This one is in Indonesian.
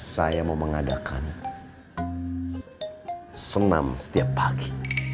saya mau mengadakan senam setiap pagi